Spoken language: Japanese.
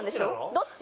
どっち？